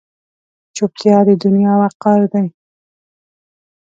چوپتیا، د دنیا وقار دی.